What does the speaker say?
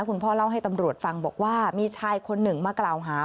พ่อเล่าให้ตำรวจฟังบอกว่ามีชายคนหนึ่งมากล่าวหา